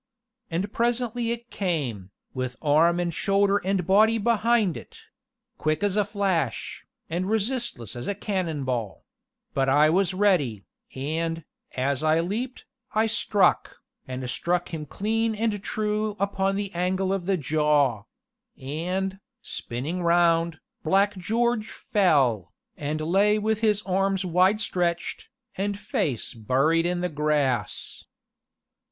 And presently it came, with arm and shoulder and body behind it quick as a flash, and resistless as a cannonball; but I was ready, and, as I leaped, I struck, and struck him clean and true upon the angle of the jaw; and, spinning round, Black George fell, and lay with his arms wide stretched, and face buried in the grass.